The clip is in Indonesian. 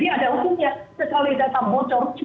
setelah data bocor itu akan selalu bocor